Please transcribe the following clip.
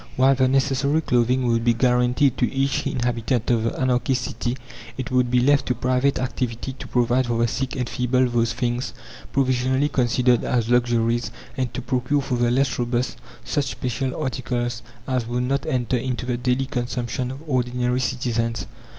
While the necessary clothing would be guaranteed to each inhabitant of the anarchist city, it would be left to private activity to provide for the sick and feeble those things, provisionally considered as luxuries, and to procure for the less robust such special articles, as would not enter into the daily consumption of ordinary citizens.